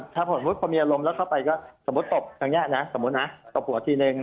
ถ้าผมมีอารมณ์แล้วเข้าไปก็สมมุติตบทางนี้นะสมมุตินะตบหัวชีวิตหนึ่ง